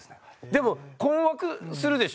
でも困惑するでしょ？